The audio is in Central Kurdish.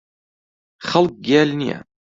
خەڵک گێل نییە.